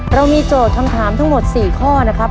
เรามีโจทย์คำถามทั้งหมด๔ข้อนะครับ